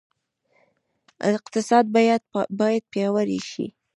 اقتصاد باید پیاوړی شي